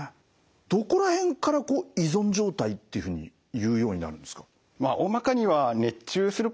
どこら辺から依存状態っていうふうにいうようになるんですか？